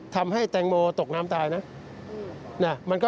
ทำให้แตงโมตกน้ำตายนะ